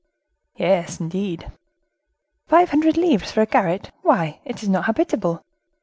"Yes, indeed." "Five hundred livres for a garret? Why, it is not habitable."